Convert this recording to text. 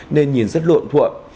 nên nhìn rất luộn thuộn